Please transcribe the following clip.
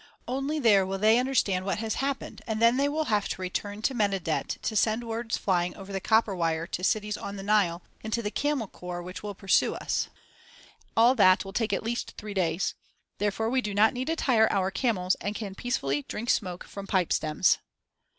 Only there will they understand what has happened and then they will have to return to Medinet to send words flying over the copper wire to cities on the Nile and to the camel corps which will pursue us. All that will take at least three days. Therefore we do not need to tire our camels and can peacefully 'drink smoke' from pipe stems."